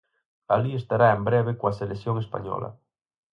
Alí estará en breve coa selección española.